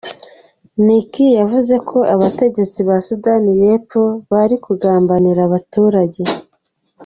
Nikki yavuze ko abategetsi ba Sudani y’Epfo bari kugambanira abaturage.